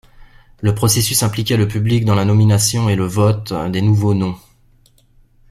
Le processus impliquait le public dans la nomination et le vote des nouveaux noms.